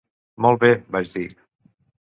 "Molt bé", vaig dir.